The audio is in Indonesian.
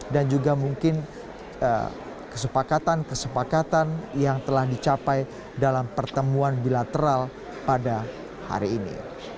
dan juga mungkin kesepakatan kesepakatan yang telah dicapai dalam pertemuan bilateral pada hari ini